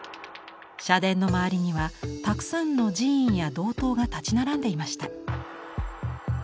社殿の周りにはたくさんの寺院や堂塔が立ち並んでいました。